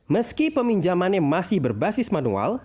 meski peminjamannya masih berbasis manual